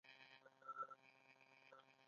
د یوې غوره نړۍ لپاره.